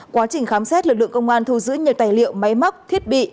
quá trình khám xét lực lượng công an thu giữ nhiều tài liệu máy móc thiết bị